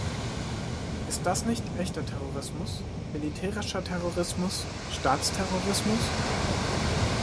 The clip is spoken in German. Ist das nicht echter Terrorismus, militärischer Terrorismus, Staatsterrorismus?